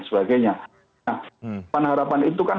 sebagainya nah panaharapan itu kan